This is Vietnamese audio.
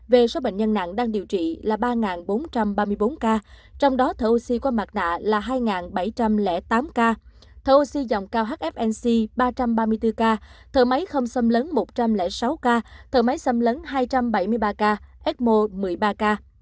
về số bệnh nhân nặng đang điều trị là ba bốn trăm ba mươi bốn ca trong đó thở oxy qua mặt nạ là hai bảy trăm linh tám ca thầu oxy dòng cao hfnc ba trăm ba mươi bốn ca thở máy không xâm lấn một trăm linh sáu ca thở máy xâm lấn hai trăm bảy mươi ba ca ecmo một mươi ba ca